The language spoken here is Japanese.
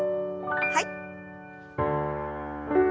はい。